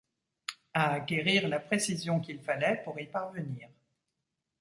À acquérir la précision qu’il fallait pour y parvenir.